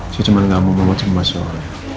saya cuman gak mau memuat semua soalnya